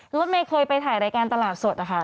รถเมย์เคยไปถ่ายรายการตลาดสดนะคะ